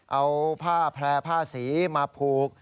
เอาผ้าแพร่ผ้าสีมาผูก